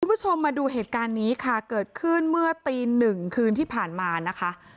คุณผู้ชมมาดูเหตุการณ์นี้ค่ะเกิดขึ้นเมื่อตีหนึ่งคืนที่ผ่านมานะคะ